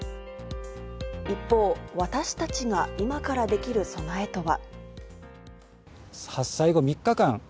一方、私たちが今からできる備えとは。